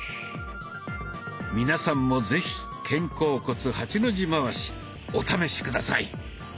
皆さんも是非「肩甲骨８の字回し」お試し下さい。